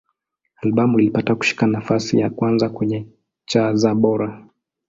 Albamu ilipata kushika nafasi ya kwanza kwenye cha za Bora.